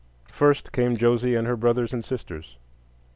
First came Josie and her brothers and sisters.